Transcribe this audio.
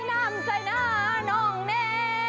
้อยน้ำใจหน้าน๋องเน่